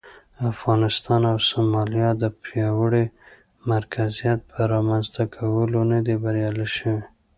افغانستان او سومالیا د پیاوړي مرکزیت پر رامنځته کولو نه دي بریالي شوي.